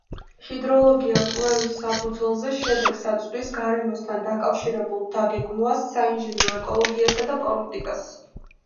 ჰიდროლოგია კვლევის საფუძველზე შედეგს აწვდის გარემოსთან დაკავშირებულ დაგეგმვას, საინჟინრო ეკოლოგიასა და პოლიტიკას.